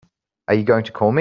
Are you going to call me?